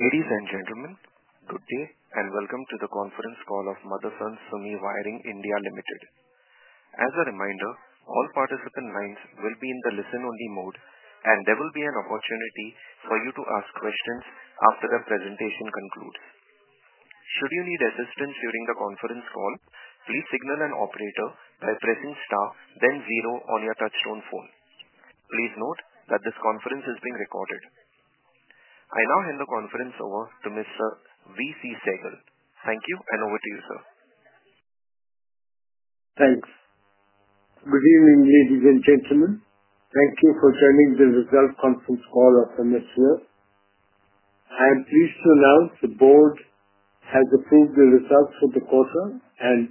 Ladies and gentlemen, good day and welcome to the conference call of Motherson Sumi Wiring India Limited. As a reminder, all participant lines will be in the listen-only mode, and there will be an opportunity for you to ask questions after the presentation concludes. Should you need assistance during the conference call, please signal an operator by pressing star, then zero on your touchstone phone. Please note that this conference is being recorded. I now hand the conference over to Mr. V. C. Sehgal. Thank you, and over to you, sir. Thanks. Good evening, ladies and gentlemen. Thank you for joining the results conference call of MSWI. I am pleased to announce the board has approved the results for the quarter and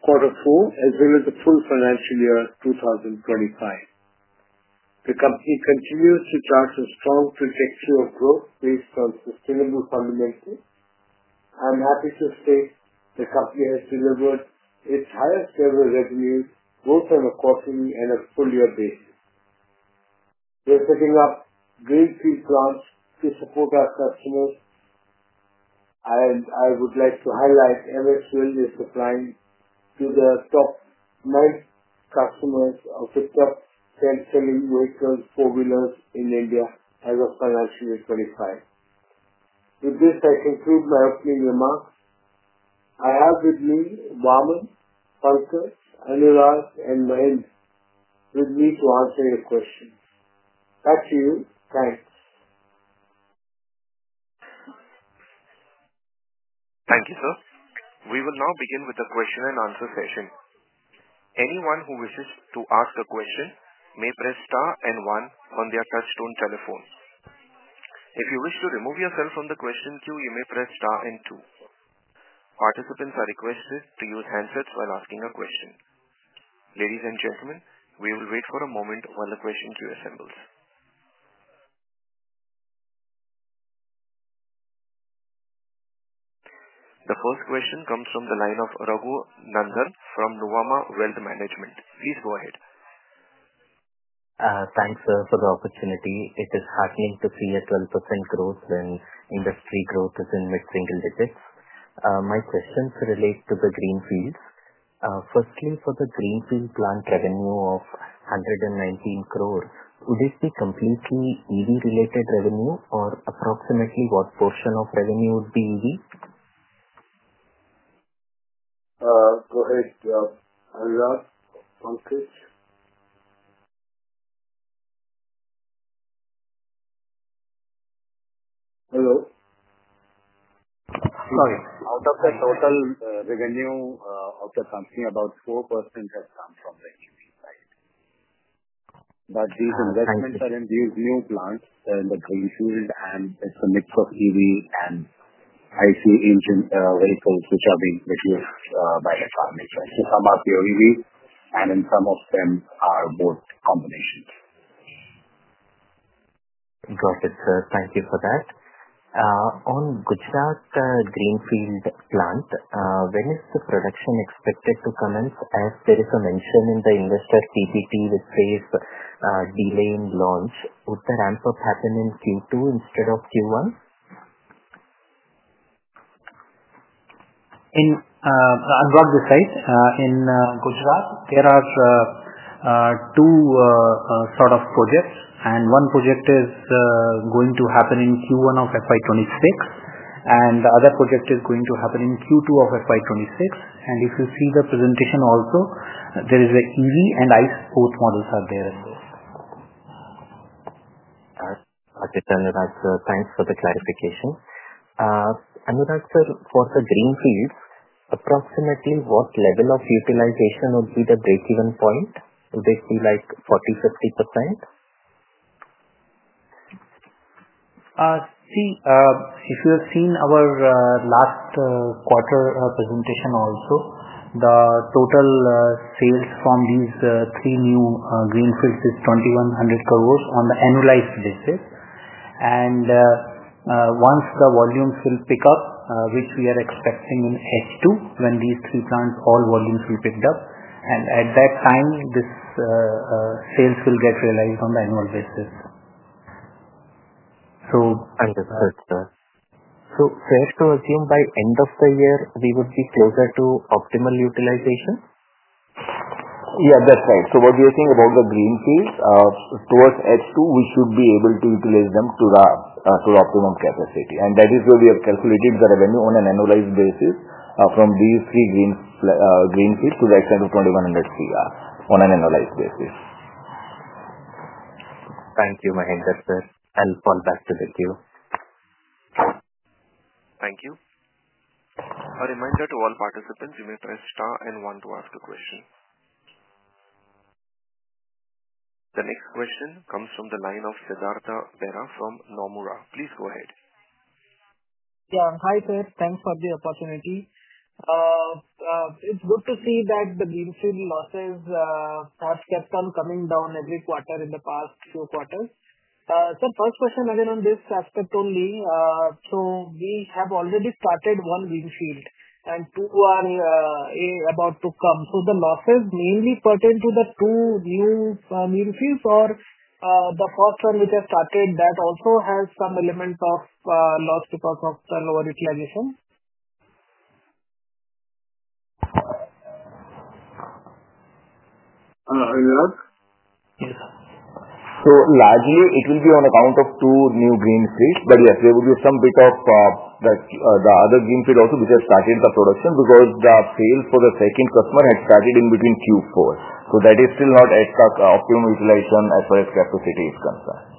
quarter four, as well as the full financial year 2025. The company continues to charge a strong trajectory of growth based on sustainable fundamentals. I'm happy to say the company has delivered its highest-ever revenues, both on a quarterly and a full-year basis. We're setting up greenfield plants to support our customers, and I would like to highlight MSWI is supplying to the top nine customers of the top best-selling vehicles, four-wheelers in India as of financial year 2025. With this, I conclude my opening remarks. I have with me Bahman, Pankaj, Anurag, and Mahender with me to answer your questions. Back to you. Thanks. Thank you, sir. We will now begin with the question-and-answer session. Anyone who wishes to ask a question may press star and one on their touchstone telephones. If you wish to remove yourself from the question queue, you may press star and two. Participants are requested to use handsets while asking a question. Ladies and gentlemen, we will wait for a moment while the question queue assembles. The first question comes from the line of Raghunandan from Nuvama Wealth Management. Please go ahead. Thanks, sir, for the opportunity. It is heartening to see a 12% growth when industry growth is in mid-single digits. My questions relate to the greenfields. Firstly, for the greenfield plant revenue of 119 crore, would it be completely EV-related revenue, or approximately what portion of revenue would be EV? Go ahead, Anurag, Pankaj. Hello? Sorry. Out of the total revenue of the company, about 4% has come from the EV side. These investments are in these new plants, the greenfield, and it is a mix of EV and ICE vehicles, which are being produced by the farmers to come up here EV, and in some of them are both combinations. Got it, sir. Thank you for that. On Gujarat greenfield plant, when is the production expected to commence? As there is a mention in the investor PPT, which says delay in launch, would the ramp-up happen in Q2 instead of Q1? In Gujarat, there are two sort of projects, and one project is going to happen in Q1 of FY2026, and the other project is going to happen in Q2 of FY2026. If you see the presentation also, there is an EV and ICE both models are there as well. Okay, Anurag sir, thanks for the clarification. Anurag sir, for the greenfields, approximately what level of utilization would be the break-even point? Would it be like 40%-50%? See, if you have seen our last quarter presentation also, the total sales from these three new greenfields is INR 2,100 crore on the annualized basis. Once the volumes will pick up, which we are expecting in H2, when these three plants all volumes will pick up, at that time, this sales will get realized on the annual basis. Understood, sir. So fair to assume by end of the year, we would be closer to optimal utilization? Yeah, that's right. What do you think about the greenfields? Towards H2, we should be able to utilize them to the optimum capacity. That is where we have calculated the revenue on an annualized basis from these three greenfields to the extent of INR 2,100 crore on an annualized basis. Thank you, Mahender sir. I'll fall back to the queue. Thank you. A reminder to all participants, you may press star and one to ask a question. The next question comes from the line of Siddhartha Bera from Nomura. Please go ahead. Yeah, hi sir. Thanks for the opportunity. It's good to see that the greenfield losses have kept on coming down every quarter in the past few quarters. First question again on this aspect only. We have already started one greenfield, and two are about to come. Do the losses mainly pertain to the two new greenfields, or does the first one which has started also have some element of loss because of the lower utilization? Anurag? Yes, sir. Largely, it will be on account of two new greenfields, but yes, there will be some bit of the other greenfield also which has started the production because the sales for the second customer had started in between Q4. That is still not at the optimum utilization as far as capacity is concerned.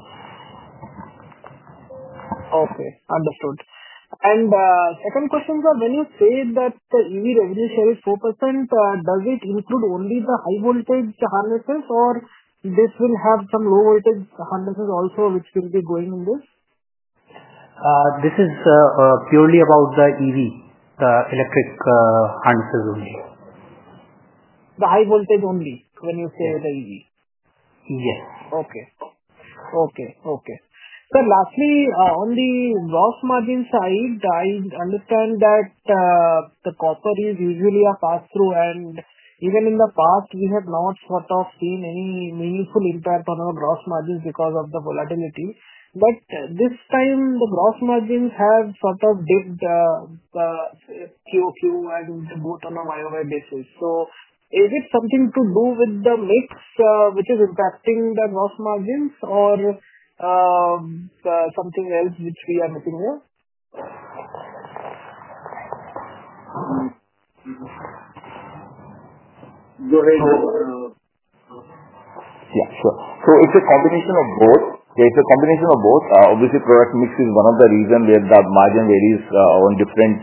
Okay, understood. Second question, sir, when you say that the EV revenue share is 4%, does it include only the high-voltage harnesses, or this will have some low-voltage harnesses also which will be going in this? This is purely about the EV, the electric harnesses only. The high-voltage only when you say the EV? Yes. Okay. Okay. Okay. Lastly, on the gross margin side, I understand that the copper is usually a pass-through, and even in the past, we have not sort of seen any meaningful impact on our gross margins because of the volatility. This time, the gross margins have sort of dipped Q2 and both on a year-over-year basis. Is it something to do with the mix which is impacting the gross margins, or something else which we are missing here? Go ahead. Yeah, sure. So it's a combination of both. There's a combination of both. Obviously, product mix is one of the reasons where the margin varies on different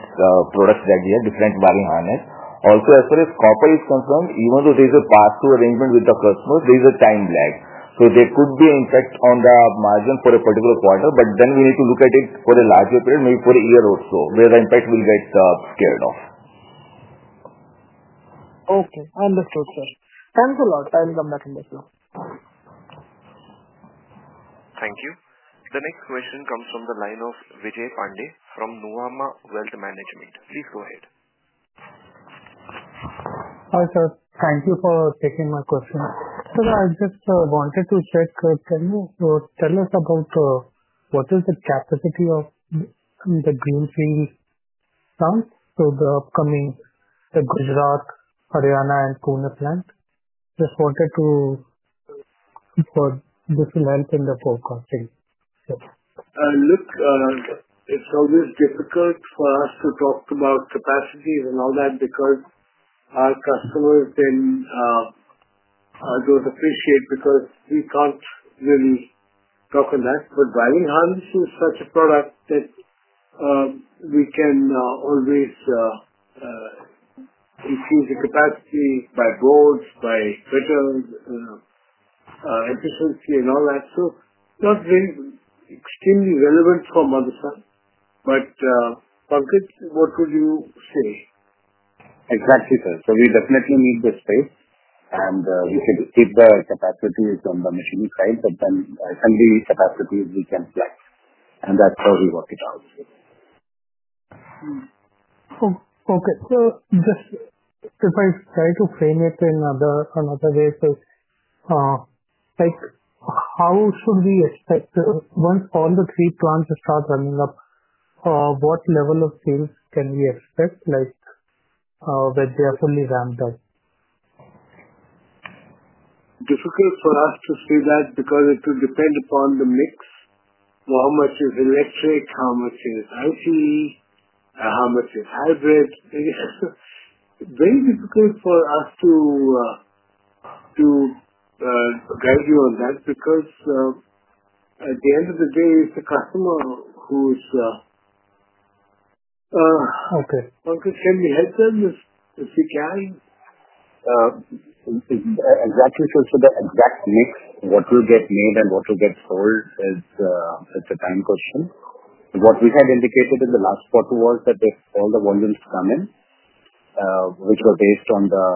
products that we have, different wiring harness. Also, as far as copper is concerned, even though there's a pass-through arrangement with the customers, there's a time lag. There could be an impact on the margin for a particular quarter, but then we need to look at it for a larger period, maybe for a year or so, where the impact will get scared off. Okay. Understood, sir. Thanks a lot. I'll come back on this now. Thank you. The next question comes from the line of Vijay Pandey from Nuvama Wealth Management. Please go ahead. Hi, sir. Thank you for taking my question. Sir, I just wanted to check. Can you tell us about what is the capacity of the greenfield plants? The upcoming Gujarat, Haryana, and Pune plant. Just wanted to see if this will help in the forecasting. Look, it's always difficult for us to talk about capacity and all that because our customers don't appreciate it because we can't really talk on that. But wiring harness is such a product that we can always increase the capacity by boards, by better efficiency, and all that. So not really extremely relevant for Motherson. But Pankaj, what would you say? Exactly, sir. We definitely need the space, and we should keep the capacities on the machining side, but then some of the capacities we can flex, and that's how we work it out. Okay. So just if I try to frame it in another way, sir, how should we expect once all the three plants start running up, what level of sales can we expect when they are fully ramped up? Difficult for us to say that because it will depend upon the mix, how much is electric, how much is ICE, how much is hybrid. Very difficult for us to guide you on that because at the end of the day, it's the customer who's. Okay. Pankaj, can we help them if we can? Exactly, sir. So the exact mix, what will get made and what will get sold, it's a time question. What we had indicated in the last quarter was that if all the volumes come in, which were based on the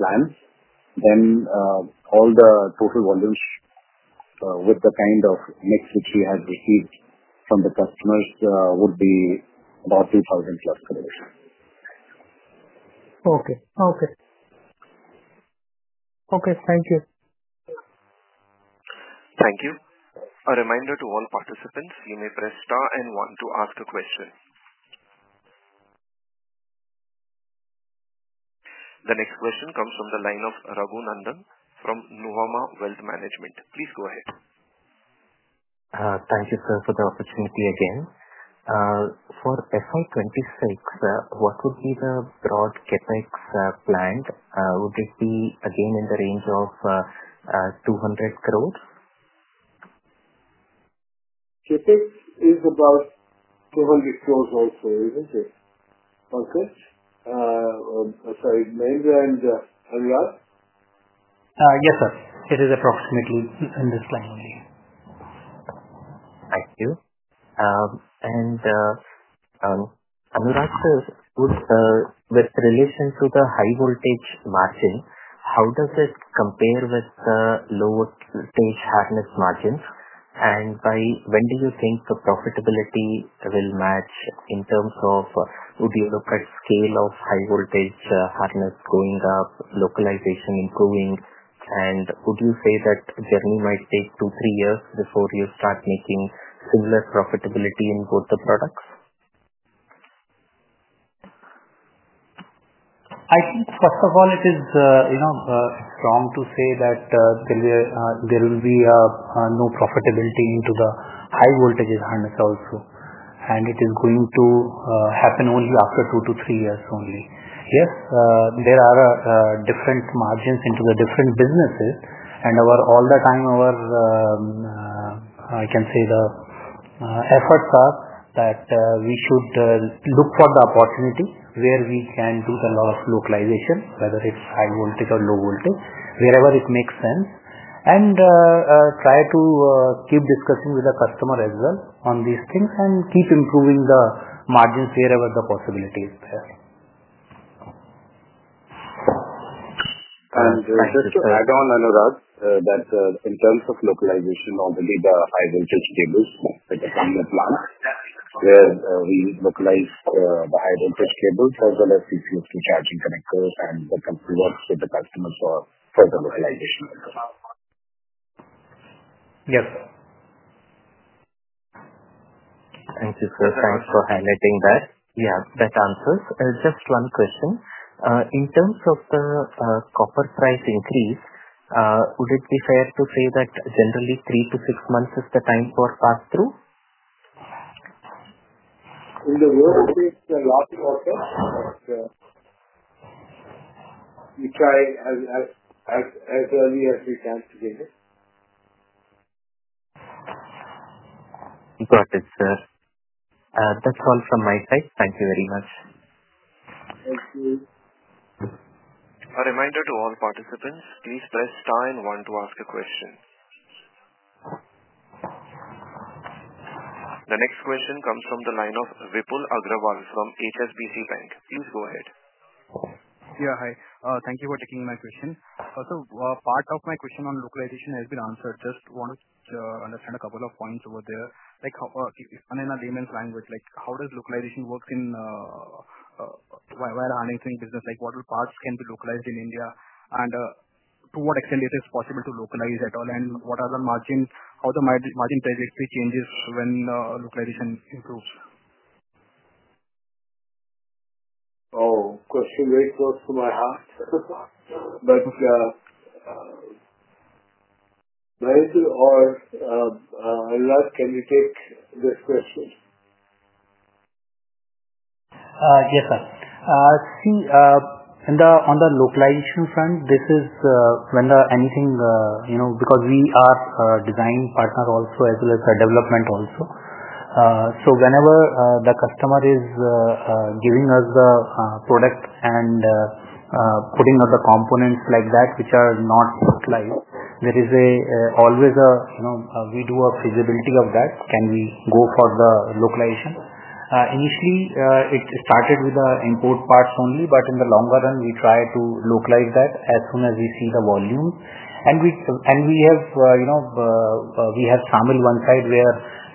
plans, then all the total volumes with the kind of mix which we have received from the customers would be about 2,000 crore+. Okay. Thank you. Thank you. A reminder to all participants, you may press star and one to ask a question. The next question comes from the line of Raghunandan from Nuvama Wealth Management. Please go ahead. Thank you, sir, for the opportunity again. For FY2026, what would be the broad CapEx planned? Would it be again in the range of INR 200 crore? CapEx is about 200 crore also, isn't it? Pankaj? Sorry, Mahender and Anurag? Yes, sir. It is approximately in this line only. Thank you. Anurag sir, with relation to the high-voltage margin, how does it compare with the low-voltage harness margins? By when do you think the profitability will match in terms of, would you look at scale of high-voltage harness going up, localization improving? Would you say that journey might take two, three years before you start making similar profitability in both the products? I think, first of all, it is wrong to say that there will be no profitability into the high-voltage harness also. It is going to happen only after two to three years only. Yes, there are different margins into the different businesses. All the time, I can say the efforts are that we should look for the opportunity where we can do a lot of localization, whether it's high-voltage or low-voltage, wherever it makes sense. Try to keep discussing with the customer as well on these things and keep improving the margins wherever the possibility is there. Just to add on, Anurag, that in terms of localization, already the high-voltage cables that are coming in the plant, where we localize the high-voltage cables as well as the CCSP charging connectors, and the company works with the customers for the localization as well. Yes. Thank you, sir. Thanks for highlighting that. We have that answered. Just one question. In terms of the copper price increase, would it be fair to say that generally three to six months is the time for pass-through? In the world, it's a lot of work, but we try as early as we can to get it. Got it, sir. That's all from my side. Thank you very much. Thank you. A reminder to all participants, please press star and one to ask a question. The next question comes from the line of Vipul Agrawal from HSBC Bank. Please go ahead. Yeah, hi. Thank you for taking my question. Part of my question on localization has been answered. Just wanted to understand a couple of points over there. Like in a layman's language, how does localization work in wiring harnessing business? What parts can be localized in India, and to what extent is it possible to localize at all, and what are the margins, how the margin trajectory changes when localization improves? Oh, question very close to my heart. Mahender or Anurag, can you take this question? Yes, sir. See, on the localization front, this is when anything because we are a design partner also as well as a development also. So whenever the customer is giving us the product and putting out the components like that which are not localized, there is always a we do a feasibility of that. Can we go for the localization? Initially, it started with the import parts only, but in the longer run, we try to localize that as soon as we see the volume. And we have Samil one side where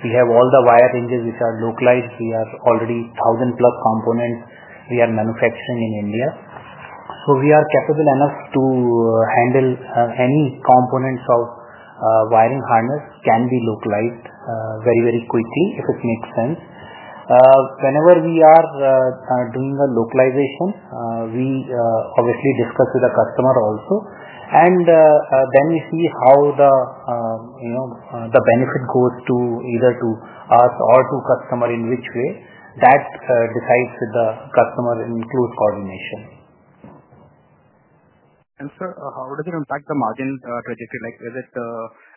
we have all the wire ranges which are localized. We are already 1,000+ components we are manufacturing in India. So we are capable enough to handle any components of wiring harness can be localized very, very quickly if it makes sense. Whenever we are doing a localization, we obviously discuss with the customer also. We see how the benefit goes either to us or to the customer in which way. That is decided with the customer in close coordination. Sir, how does it impact the margin trajectory?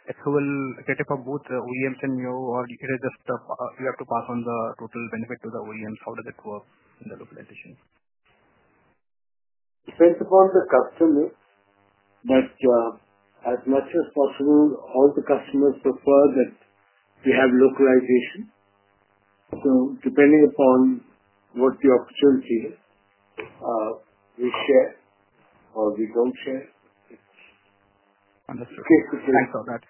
Like, is it who will get it for both the OEMs and you, or is it just you have to pass on the total benefit to the OEMs? How does it work in the localization? It depends upon the customer. As much as possible, all the customers prefer that we have localization. Depending upon what the opportunity is, we share or we do not share. Understood. Thanks for that.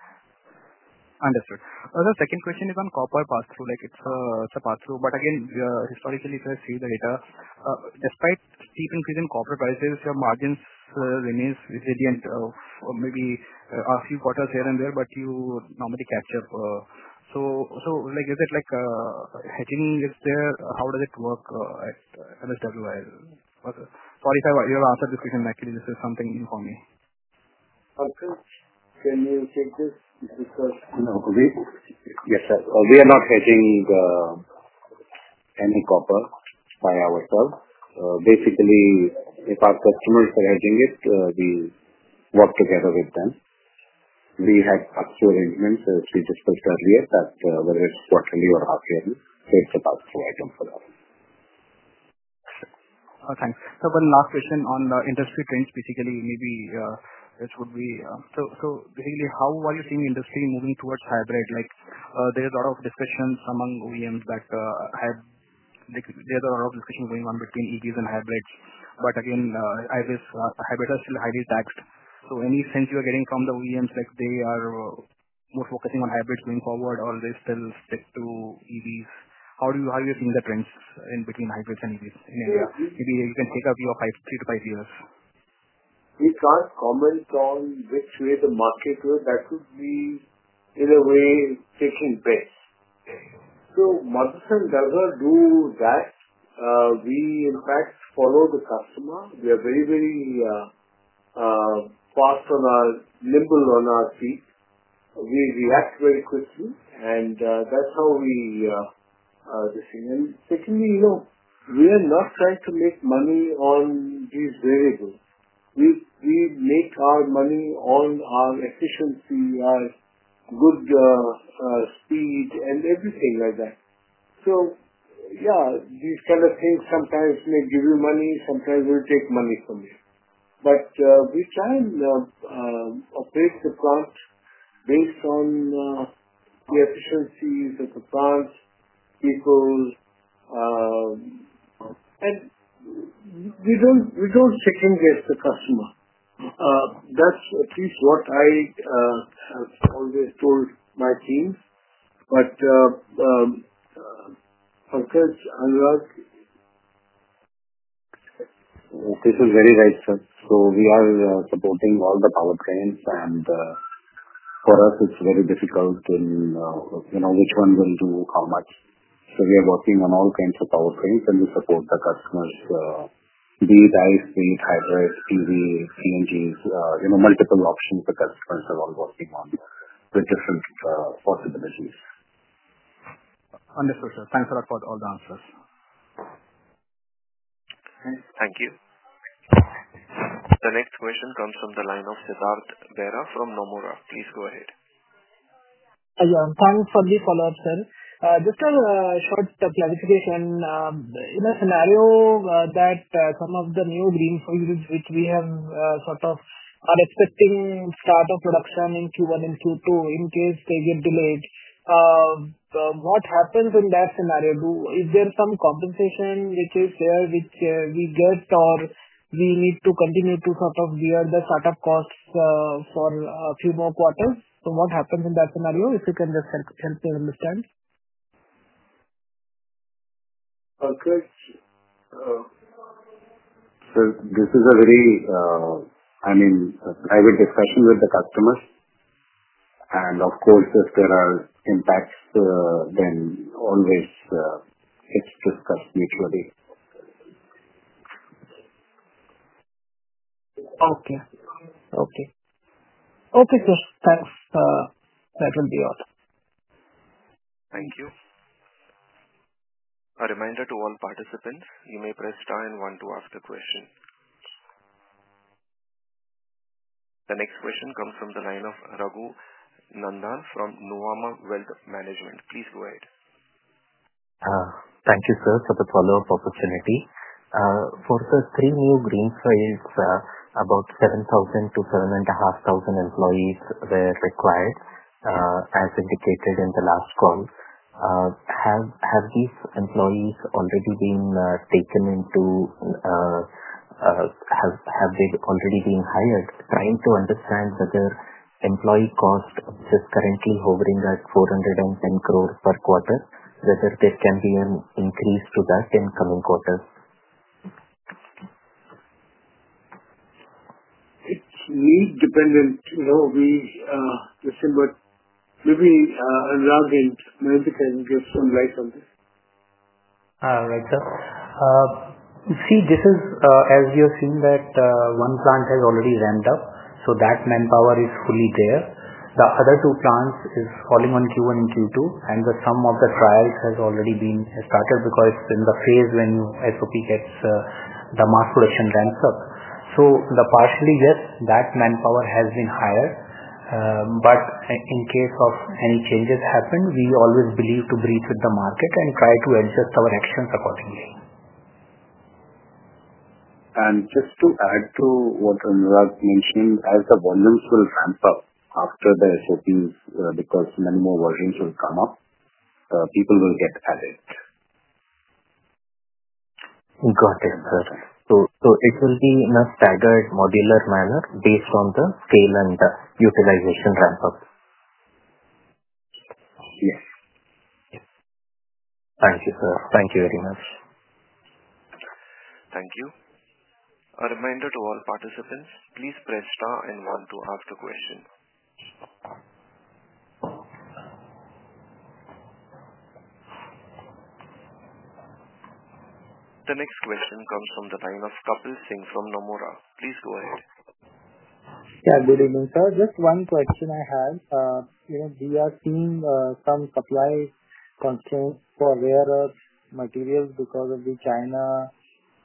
Understood. The second question is on copper pass-through. It's a pass-through. Again, historically, if I see the data, despite steep increase in copper prices, your margins remain resilient. Maybe a few quarters here and there, but you normally catch up. Is it like hedging is there? How does it work at MSWI? Sorry if I answered this question inaccurately. This is something new for me. Pankaj, can you take this because? No, wait. Yes, sir. We are not hedging any copper by ourselves. Basically, if our customers are hedging it, we work together with them. We have pass-through arrangements, as we discussed earlier, that whether it is quarterly or half-yearly. It is a pass-through item for us. Okay. So one last question on the industry trends. Basically, maybe this would be, so basically, how are you seeing industry moving towards hybrid? There are a lot of discussions among OEMs that have, there are a lot of discussions going on between EVs and hybrids. Hybrids are still highly taxed. Any sense you are getting from the OEMs, like they are more focusing on hybrids going forward, or they still stick to EVs? How do you see the trends in between hybrids and EVs in India? Maybe you can take a view of three to five years. We can't comment on which way the market will. That would be, in a way, taking bets. Motherson does not do that. We, in fact, follow the customer. We are very, very fast and nimble on our feet. We react very quickly, and that's how we decide. Secondly, we are not trying to make money on these variables. We make our money on our efficiency, our good speed, and everything like that. Yeah, these kind of things sometimes may give you money, sometimes will take money from you. We try and operate the plant based on the efficiencies of the plants, people. We don't second-guess the customer. That's at least what I have always told my team. Pankaj, Anurag. This is very right, sir. We are supporting all the power trains, and for us, it's very difficult in which one will do how much. We are working on all kinds of power trains, and we support the customers' EV, ICE, hybrid, CNGs, multiple options the customers are all working on with different possibilities. Understood, sir. Thanks a lot for all the answers. Thank you. The next question comes from the line of Siddhartha Bera from Nomura. Please go ahead. Yeah. Thanks for the follow-up, sir. Just a short clarification. In a scenario that some of the new greenfield plants, which we have sort of are expecting start of production in Q1 and Q2, in case they get delayed, what happens in that scenario? Is there some compensation which is there which we get, or we need to continue to sort of bear the startup costs for a few more quarters? What happens in that scenario? If you can just help me understand. Pankaj. This is a very, I mean, private discussion with the customers. And of course, if there are impacts, then always it's discussed mutually. Okay. Okay. Okay, sir. Thanks. That will be all. Thank you. A reminder to all participants, you may press star and one to ask a question. The next question comes from the line of Raghunandan from Nuvama Wealth Management. Please go ahead. Thank you, sir, for the follow-up opportunity. For the three new greenfield plants, about 7,000-7,500 employees were required, as indicated in the last call. Have these employees already been taken in, have they already been hired? Trying to understand whether employee cost is currently hovering at INR 410 crore per quarter, whether there can be an increase to that in coming quarters. It's need dependent. This is what maybe Anurag and Mahender can give some light on this. Right, sir. See, this is as you have seen that one plant has already ramped up, so that manpower is fully there. The other two plants are falling on Q1 and Q2, and some of the trials have already been started because it's in the phase when SOP gets the mass production ramps up. So partially, yes, that manpower has been hired. In case any changes happen, we always believe to breathe with the market and try to adjust our actions accordingly. Just to add to what Anurag mentioned, as the volumes will ramp up after the SOPs because many more volumes will come up, people will get added. Got it, sir. It will be in a staggered modular manner based on the scale and utilization ramp-up? Yes. Thank you, sir. Thank you very much. Thank you. A reminder to all participants, please press star and one to ask a question. The next question comes from the line of Kapil Singh from Nomura. Please go ahead. Yeah, good evening, sir. Just one question I have. We are seeing some supply constraints for rare earth materials because of the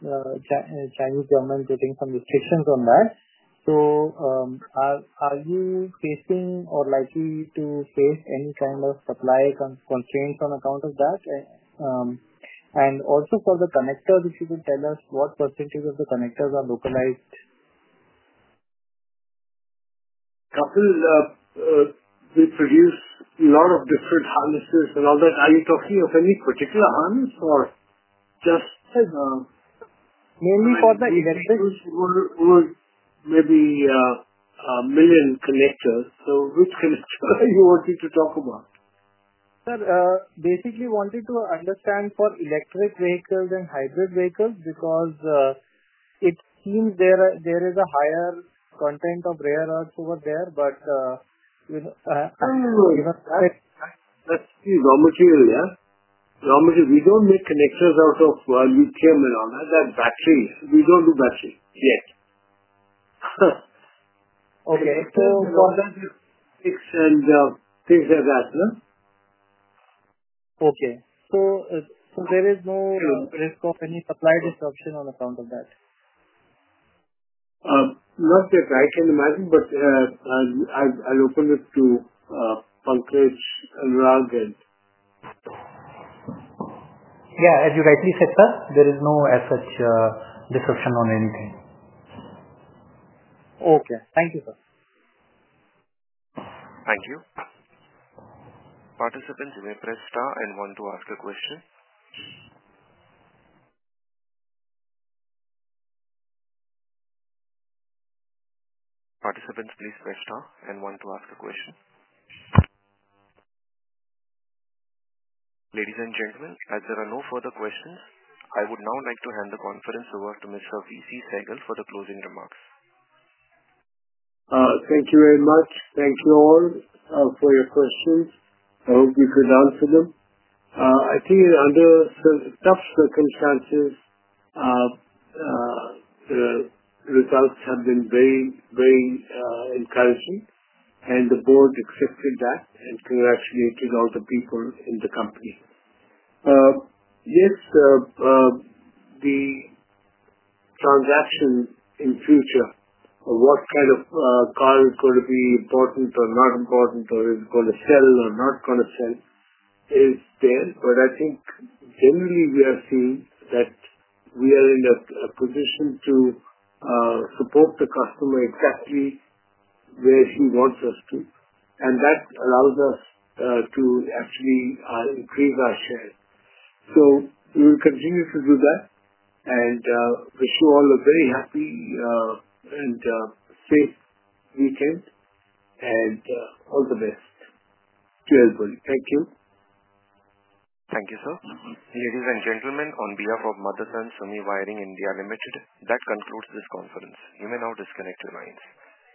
Chinese government putting some restrictions on that. Are you facing or likely to face any kind of supply constraints on account of that? Also, for the connectors, if you could tell us what Percentage of the connectors are localized? Kapil, we produce a lot of different harnesses and all that. Are you talking of any particular harness or just? Mainly for the electric? We produce maybe a million connectors. So which connector are you wanting to talk about? Sir, basically wanted to understand for electric vehicles and hybrid vehicles because it seems there is a higher content of rare earth over there, but. Let's see raw material, yeah? Raw material. We don't make connectors out of lithium and all that. That's battery. We don't do battery yet. Okay. So for that. Things like that, no? Okay. So there is no risk of any supply disruption on account of that? Not that I can imagine, but I'll open it to Pankaj, Anurag, and. Yeah, as you rightly said, sir, there is no such disruption on anything. Okay. Thank you, sir. Thank you. Participants, you may press star and one to ask a question. Participants, please press star and one to ask a question. Ladies and gentlemen, as there are no further questions, I would now like to hand the conference over to Mr. V. C. Sehgal for the closing remarks. Thank you very much. Thank you all for your questions. I hope we could answer them. I think under tough circumstances, the results have been very, very encouraging, and the board accepted that and congratulated all the people in the company. Yes, the transaction in future of what kind of car is going to be important or not important, or is it going to sell or not going to sell is there. I think generally we are seeing that we are in a position to support the customer exactly where he wants us to. That allows us to actually increase our share. We will continue to do that. Wish you all a very happy and safe weekend and all the best to everybody. Thank you. Thank you, sir. Ladies and gentlemen, on behalf of Motherson Sumi Wiring India Limited, that concludes this conference. You may now disconnect your lines.